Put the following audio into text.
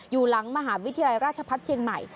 อยู่หลังมหาวิทยาลัยราชพัฒน์เชียงใหม่